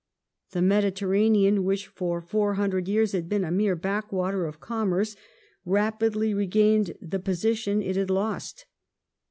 The Mediterranean, which for four hundred years had been a mere backwater of commerce, rapidly regained the position it had lost.